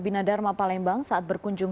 bina dharma palembang saat berkunjung